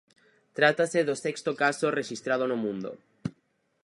Trátase do sexto caso rexistrado no mundo.